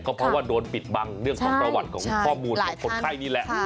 เพราะว่าโดนปิดบังเรื่องของประวัติของข้อมูลของคนไข้นี่แหละ